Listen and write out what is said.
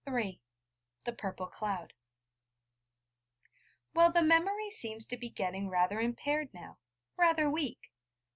'_) THE PURPLE CLOUD Well, the memory seems to be getting rather impaired now, rather weak.